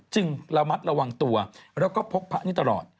ระมัดระวังตัวแล้วก็พกพระนี้ตลอด